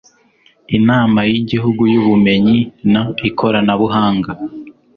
inama y igihugu y ubumenyi n ikoranabuhanga